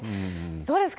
どうですか？